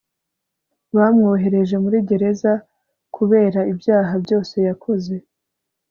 bamwohereje muri gereza kubera ibyaha byose yakoze